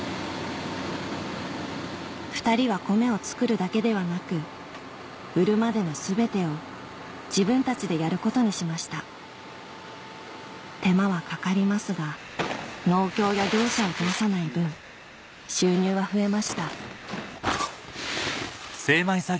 ２人は米を作るだけではなく売るまでの全てを自分たちでやることにしました手間は掛かりますが農協や業者を通さない分収入は増えました